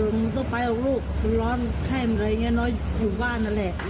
เออมึงต้องไปเอาลูกร้อนไข้หรืออะไรอยู่บ้านนั่นแหละ